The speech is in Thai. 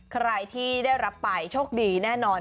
ใครที่ได้รับไปโชคดีแน่นอน